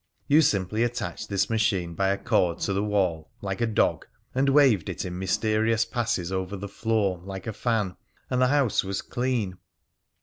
You simply attached this machine by a cord to the wall, like a dog, and waved it in mysterious passes over the floor, like a fan, and the house was clean!